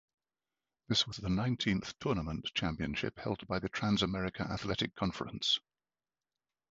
This was the nineteenth tournament championship held by the Trans America Athletic Conference.